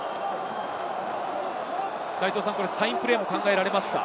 サインプレーも考えられますか？